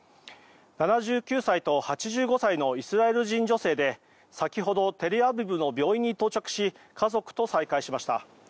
７９歳と８５歳のイスラエル人女性で先ほどテルアビブの病院に到着し家族と再会しました。